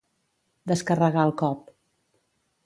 Descarregar el cop.